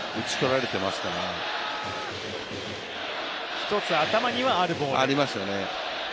１つ頭にはあるボールですね